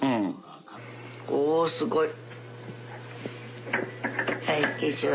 おーすごい。